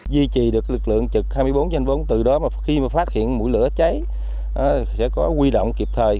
duy trì được lực lượng trực hai mươi bốn trên bốn từ đó mà khi mà phát hiện mũi lửa cháy sẽ có quy động kịp thời